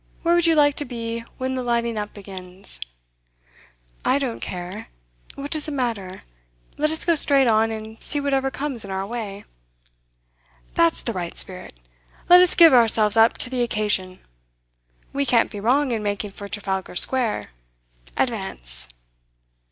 Where would you like to be when the lighting up begins?' 'I don't care. What does it matter? Let us go straight on and see whatever comes in our way.' 'That's the right spirit! Let us give ourselves up to the occasion! We can't be wrong in making for Trafalgar Square. Advance!